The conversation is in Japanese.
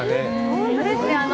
本当ですよ。